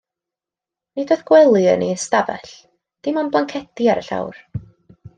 Nid oedd gwely yn ein hystafell, dim ond blancedi ar y llawr!